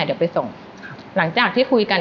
เดี๋ยวไปส่งหลังจากที่คุยกัน